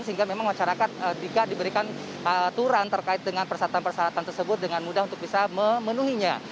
sehingga memang masyarakat jika diberikan aturan terkait dengan persyaratan persyaratan tersebut dengan mudah untuk bisa memenuhinya